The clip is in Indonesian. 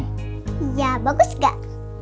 iya bagus gak